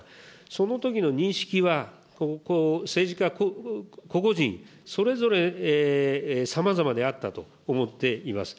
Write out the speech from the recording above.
そのときの認識は、政治家個々人、それぞれ、さまざまであったと思っています。